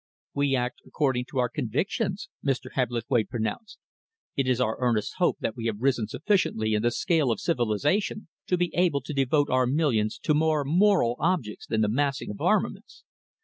"We act according to our convictions," Mr. Hebblethwaite pronounced. "It is our earnest hope that we have risen sufficiently in the scale of civilisation to be able to devote our millions to more moral objects than the massing of armaments."